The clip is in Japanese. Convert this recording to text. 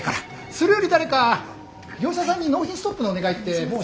それより誰か業者さんに納品ストップのお願いってもうしてる？